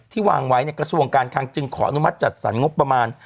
วางไว้ในกระทรวงการคังจึงขออนุมัติจัดสรรงบประมาณ